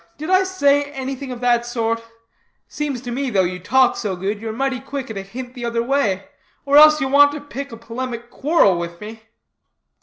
Did I say anything of that sort? Seems to me, though you talk so good, you are mighty quick at a hint the other way, or else you want to pick a polemic quarrel with me."